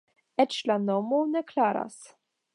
Eĉ la nomo ne klaras.